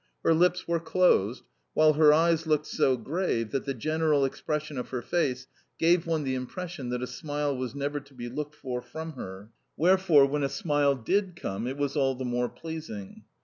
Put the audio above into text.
Her lips were closed, while her eyes looked so grave that the general expression of her face gave one the impression that a smile was never to be looked for from her: wherefore, when a smile did come, it was all the more pleasing.